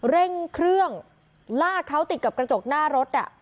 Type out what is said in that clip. เร่งเครื่องลากเขาติดกับกระจกหน้ารถ